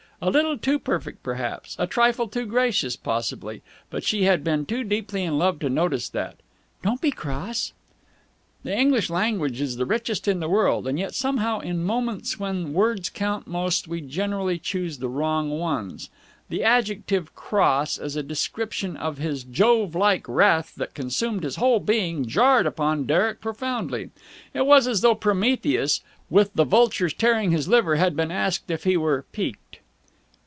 A little too perfect, perhaps, a trifle too gracious, possibly, but she had been too deeply in love to notice that. "Don't be cross!" The English language is the richest in the world, and yet somehow in moments when words count most we generally choose the wrong ones. The adjective "cross" as a description of his Jove like wrath that consumed his whole being jarred upon Derek profoundly. It was as though Prometheus, with the vultures tearing his liver, had been asked if he were piqued.